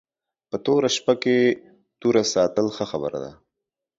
په توره شپه کې توره ساتل ښه خبره ده